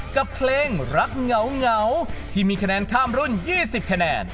กับเพลงรักเหงาที่มีคะแนนข้ามรุ่น๒๐คะแนน